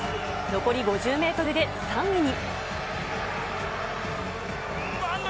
残り５０メートルで３位に。